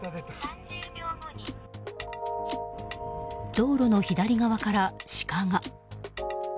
道路の左側からシカが。